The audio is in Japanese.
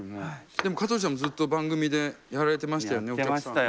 でも香取さんもずっと番組でやられてましたよね。